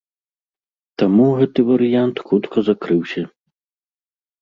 Таму гэты варыянт хутка закрыўся.